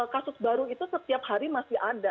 kasus baru itu setiap hari masih ada